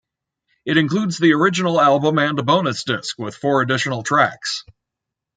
It includes the original album and a bonus disc with four additional tracks.